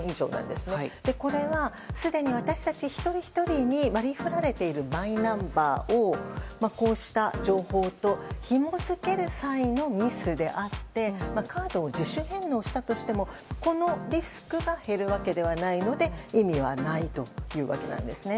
すでにこれは私たち一人ひとりに割り振られているマイナンバーをこうした情報とひも付ける際のミスであってカードを自主返納したとしてもこのリスクが減るわけではないので意味はないというわけなんですね。